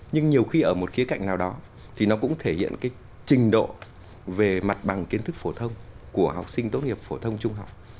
nhưng nhiều khi ở một khía cạnh nào đó thì nó cũng thể hiện cái trình độ về mặt bằng kiến thức phổ thông của học sinh tốt nghiệp phổ thông trung học